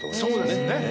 そうですね。